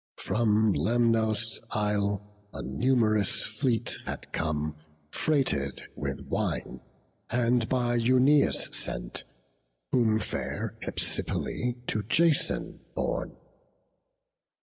From Lemnos' isle a num'rous fleet had come Freighted with wine; and by Euneus sent, Whom fair Hypsipyle to Jason bore.